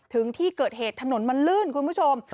ถึงที่เกิดเหตุถนนมันลื่นคุณผู้ชม